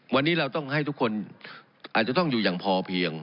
วันนี้เราต้องให้ทุกคนอาจจะต้องอยู่อย่างพอเพียง